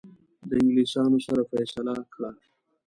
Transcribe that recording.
د انګلیسانو سره فیصله کړه.